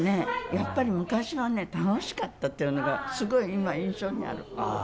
やっぱり昔はね、楽しかったっていうのがすごい今、印象にある。